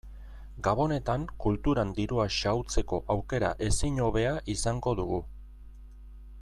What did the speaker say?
Gabonetan kulturan dirua xahutzeko aukera ezin hobea izango dugu.